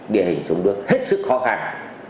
địa hình sông nước hết sức khó khăn